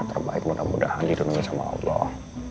terbaik mudah mudahan dilindungi sama allah